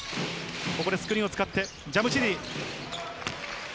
ここでスクリーンを使って、ジャムシディ。